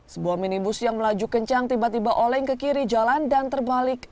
sebuah minibus yang melaju kencang tiba tiba oleng ke kiri jalan dan terbalik